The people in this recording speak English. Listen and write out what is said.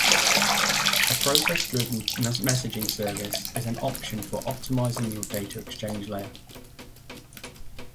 A Process Driven Messaging Service is an option for optimizing your data exchange layer.